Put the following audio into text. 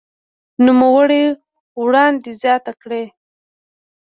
نوموړي وړاندې زياته کړې